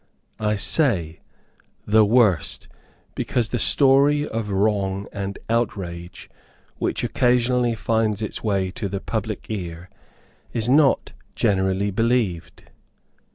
I say, THE WORST, because the story of wrong and outrage which occasionally finds its way to the public ear, is not generally believed.